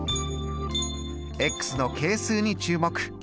の係数に注目。